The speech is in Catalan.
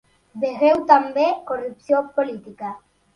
Vegeu també corrupció política.